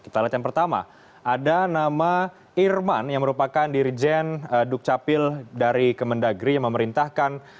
kita lihat yang pertama ada nama irman yang merupakan dirjen dukcapil dari kemendagri yang memerintahkan